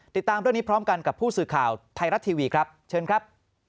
ติดตามเรื่องนี้พร้อมกันกับผู้สื่อข่าวไทยรัฐทีวีครับเชิญครับ